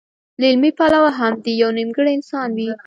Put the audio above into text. له عملي پلوه هم دی يو نيمګړی انسان وي.